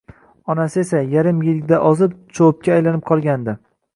Onasi esa, yarim yilda ozib, chupga aylanib qolgandi